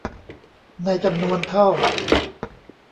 ในจำนวนเท่า